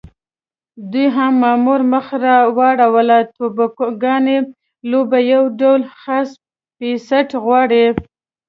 دوهم مامور مخ را واړاوه: توبوګان لوبه یو ډول خاص پېست غواړي.